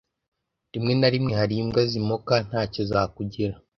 ”Rimwe na rimwe hari imbwa zimoka ntacyo zakugira”